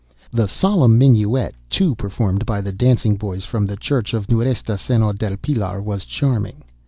The solemn minuet, too, performed by the dancing boys from the church of Nuestra Senora Del Pilar, was charming.